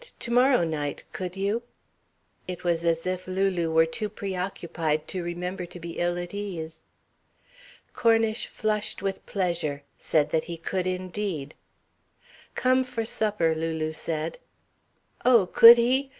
To morrow night could you " It was as if Lulu were too preoccupied to remember to be ill at ease. Cornish flushed with pleasure, said that he could indeed. "Come for supper," Lulu said. Oh, could he?